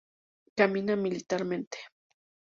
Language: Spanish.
Camina militarmente.